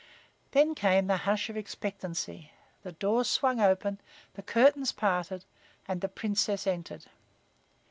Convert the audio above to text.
Then came the hush of expectancy. The doors swung open, the curtains parted and the Princess entered.